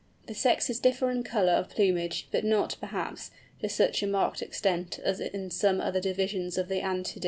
The sexes differ in colour of plumage, but not, perhaps, to such a marked extent as in some other divisions of the Anatidæ.